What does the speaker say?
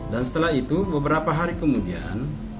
dan setelah itu beberapa hari kemudian